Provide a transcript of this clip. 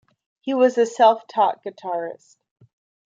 He was a self-taught guitarist.